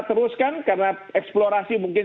teruskan karena eksplorasi mungkin